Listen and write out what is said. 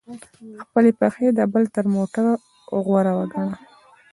خپلي پښې د بل تر موټر غوره وګڼه!